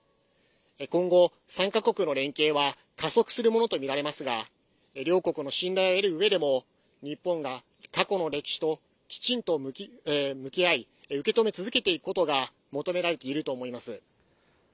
今後、３か国の連携は加速するものとみられますが両国の信頼を得るうえでも日本が過去の歴史ときちんと向き合い受け止め続けていくことが求められていると思います。